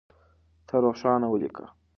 ته روښانه وليکه.